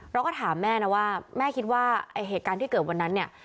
เราก็ถามแม่นะว่าแม่คิดว่าไอ้เหตุการณ์ที่เกิดวันนั้นเนี่ย